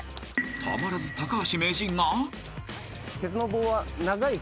［たまらず橋名人が］